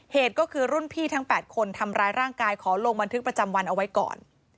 เหตุก็คือรุ่นพี่ทั้ง๘คนทำร้ายร่างกายขอลงบันทึกประจำวันเอาไว้ก่อน